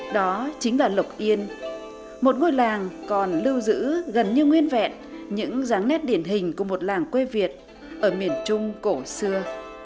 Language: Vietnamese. đó chính là lộc yên một ngôi làng còn lưu giữ gần như nguyên vẹn những dáng nét điển hình của một làng quê việt ở miền trung cổ xưa